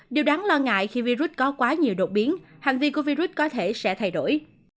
điều đáng lo ngại khi virus có quá nhiều đột biến hành vi của virus có thể sẽ thay đổi